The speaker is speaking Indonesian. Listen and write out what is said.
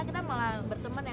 kita malah berteman ya